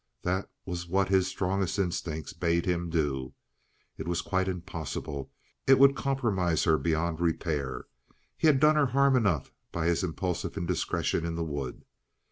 That was what his strongest instincts bade him do. It was quite impossible. It would compromise her beyond repair. He had done her harm enough by his impulsive indiscretion in the wood.